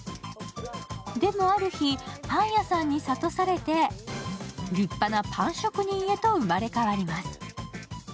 でも、ある日、パン屋さんに諭されて立派なパン職人へと生まれ変わります。